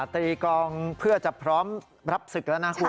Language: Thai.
ตีกองเพื่อจะพร้อมรับศึกแล้วนะคุณ